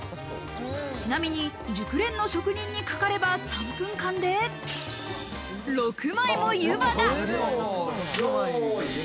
ちなみに熟練の職人にかかれば、３分間で６枚もゆばが。